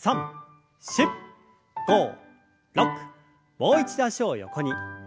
もう一度脚を横に。